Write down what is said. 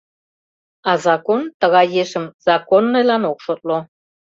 А закон тыгай ешым законныйлан ок шотло.